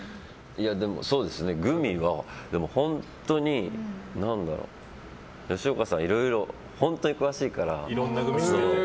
グミは本当に吉岡さん、いろいろ本当に詳しいから。